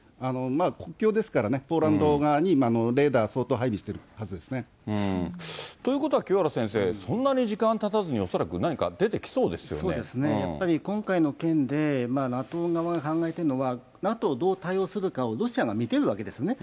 国境ですからね、ポーランド側にレーダー相当配備しているはずですね。ということは、清原先生、そんなに時間たたずに、恐らく何かやっぱり今回の件で、ＮＡＴＯ側が考えてるのは、ＮＡＴＯ、どう対応するかをロシアが見てるわけですね。